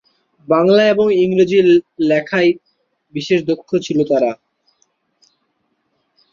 বাংলা এবং ইংরেজি লেখায় বিশেষ দখল ছিল তার।